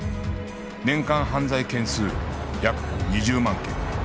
年間犯罪件数約２０万件